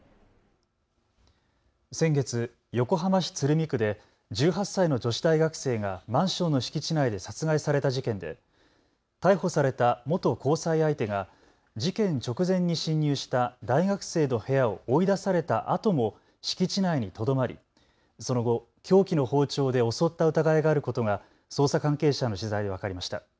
先月、横浜市鶴見区で１８歳の女子大学生がマンションの敷地内で殺害された事件で逮捕された元交際相手が事件直前に侵入した大学生の部屋を追い出されたあとも敷地内にとどまり、その後凶器の包丁で襲った疑いがあることが捜査関係者への取材で分かりました。